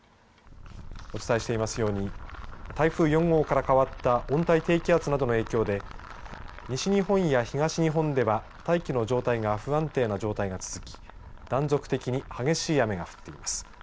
お伝えしていますように台風４号から変わった温帯低気圧などの影響で西日本や東日本では大気の状態が不安定な状態が続き断続的に激しい雨が降っています。